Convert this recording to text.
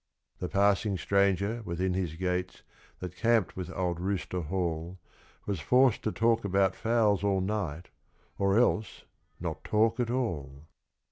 The passing stranger within his gates that camped with old Rooster Hall Was forced to talk about fowls all night, or else not talk at all.